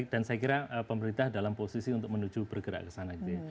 dan saya kira pemerintah dalam posisi untuk menuju bergerak ke sana gitu ya